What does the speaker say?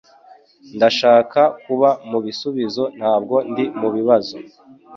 Ndashaka kuba mubisubizo ntabwo ndi mubibazo